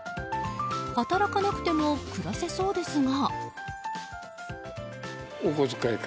働かなくても暮らせそうですが。